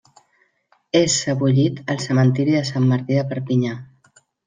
És sebollit al cementiri de Sant Martí de Perpinyà.